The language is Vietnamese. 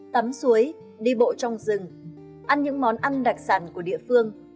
tắm suối đi bộ trong rừng ăn những món ăn đặc sản của địa phương